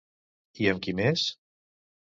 I amb qui més?